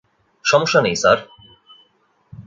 সমস্যা নেই, স্যার!